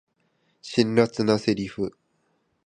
辛辣なセリフ